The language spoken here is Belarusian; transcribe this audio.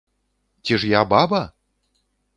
Ці ж я баба?!.